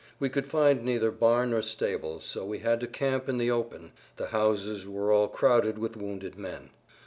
We could find neither barn nor stable, so we had to camp in the open; the houses were all crowded with wounded men.